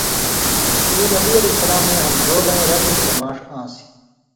اُو نبی علیہ السلامَیں ہمزولے رنڈیۡ گھریۡماݜ آن٘سیۡ۔